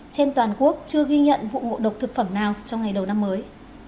trên toàn quốc chưa ghi nhận vụ ngộ độc thực phẩm nào trong ngày đầu năm mới